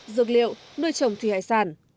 dược liệu nuôi trồng thủy hải sản